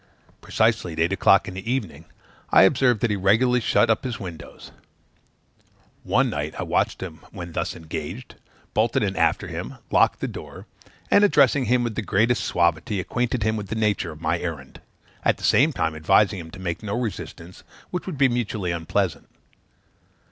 Precisely at eight o'clock in the evening, I observed that he regularly shut up his windows. One night I watched him when thus engaged bolted in after him locked the door and, addressing him with great suavity, acquainted him with the nature of my errand; at the same time advising him to make no resistance, which would be mutually unpleasant.